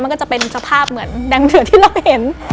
ก็จะเป็นสภาพเหมือนแดงเดือดที่เราเห็น